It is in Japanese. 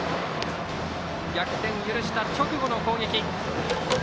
逆転を許した直後の攻撃。